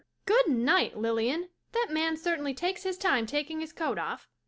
Good night, Lilian, that man cer tainly takes his time taking his coat off.